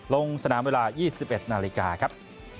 ลงสนามเวลา๒๑นาฬิกาครับ